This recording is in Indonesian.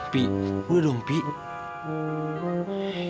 pih udah dong pih